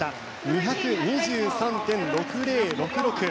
２２３．６０６６。